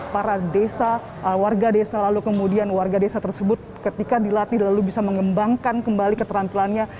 para desa warga desa lalu kemudian warga desa tersebut ketika dilatih lalu bisa mengembangkan kembali keterampilannya